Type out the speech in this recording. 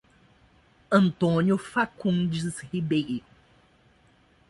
Antônio Facundes Ribeiro